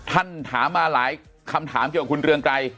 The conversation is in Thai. ถามมาหลายคำถามเกี่ยวกับคุณเรืองไกร